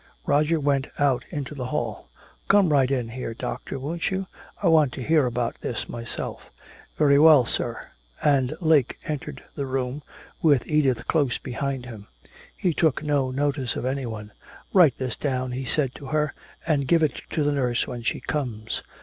Roger went out into the hall: "Come right in here, doctor, won't you? I want to hear about this myself." "Very well, sir." And Lake entered the room, with Edith close behind him. He took no notice of anyone else. "Write this down," he said to her. "And give it to the nurse when she comes."